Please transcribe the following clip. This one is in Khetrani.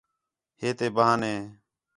ہِے تے بہانے